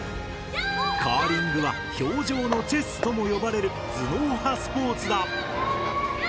カーリングは氷上のチェスとも呼ばれる頭脳派スポーツだ！